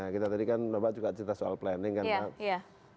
kita tadi kan bapak juga cerita soal planning kan